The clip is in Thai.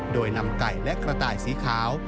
โดยนำไก่และกระต่ายสีขาว